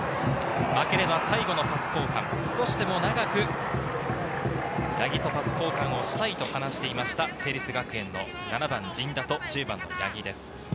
負ければ最後のパス交換、少しでも長く八木とパス交換をしたいと話していました成立学園の７番・陣田と１０番・八木です。